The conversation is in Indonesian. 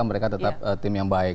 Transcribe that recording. mereka tetap tim yang baik